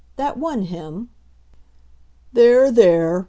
that won him. "There! there!"